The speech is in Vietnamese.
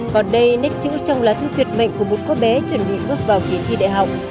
còn đây nét chữ trong lá thư tuyệt mệnh của một cô bé chuẩn bị bước vào kỳ thi đại học